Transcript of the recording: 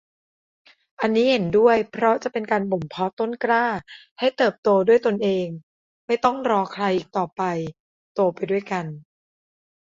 อันนี้เห็นด้วยเพราะจะเป็นการบ่มเพาะต้นกล้าให้เติบโตด้วยตนเอง ไม่ต้องรอใครอีกต่อไป โตไปด้วยกัน